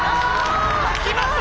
きました！